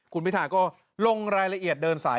คุณพิธาก็ลงรายละเอียดเดินสาย